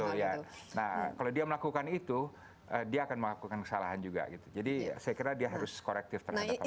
benar gitu ya nah kalau dia melakukan itu dia akan melakukan kesalahan juga gitu jadi saya kira dia harus corrective